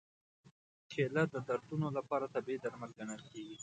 کېله د دردونو لپاره طبیعي درمل ګڼل کېږي.